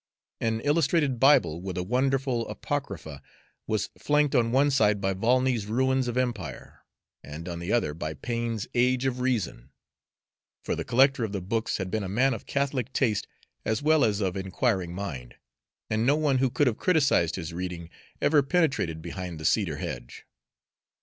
An illustrated Bible, with a wonderful Apocrypha, was flanked on one side by Volney's Ruins of Empire and on the other by Paine's Age of Reason, for the collector of the books had been a man of catholic taste as well as of inquiring mind, and no one who could have criticised his reading ever penetrated behind the cedar hedge.